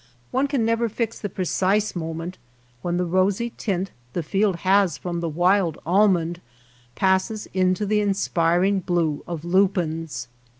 One can never fix the precise moment when the rosy tint the field has from the wild almond passes into the inspiring blue of lupines.